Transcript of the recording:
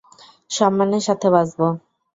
সম্মানের সাথে বাঁচবো।